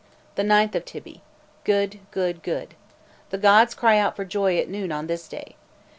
The 9th of Tybi: good, good, good. The gods cry out for joy at noon this day.